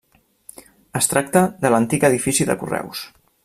Es tracta de l'antic edifici de Correus.